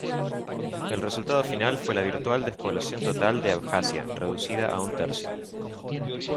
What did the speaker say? El resultado final fue la virtual despoblación total de Abjasia, reducida a un tercio.